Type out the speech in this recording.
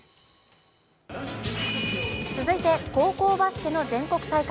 続いて、高校バスケの全国大会。